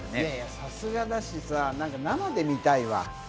さすがだし、生で見たいわ。